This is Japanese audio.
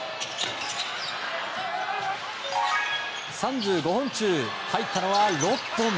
３５本中、入ったのは６本。